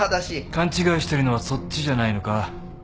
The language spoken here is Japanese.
勘違いしてるのはそっちじゃないのか？